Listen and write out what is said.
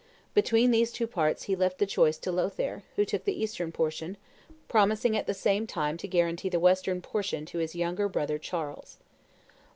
Between these two parts he left the choice to Lothaire, who took the eastern portion, promising at the same time to guarantee the western portion to his younger brother Charles.